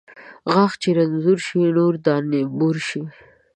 غاښ چې رنځور شي ، نور د انبور شي